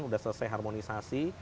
sudah selesai harmonisasi